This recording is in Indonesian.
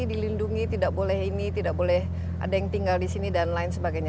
dilindungi tidak boleh ini tidak boleh ada yang tinggal di sini dan lain sebagainya